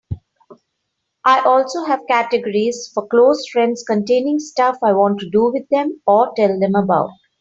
I also have categories for close friends containing stuff I want to do with them or tell them about.